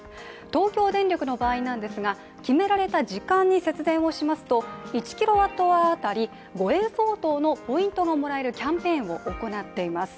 東京電力の場合なんですが決められた時間に節電をしますと、１キロワットアワー当たり５円相当のポイントがもらえるキャンペーンをやっています。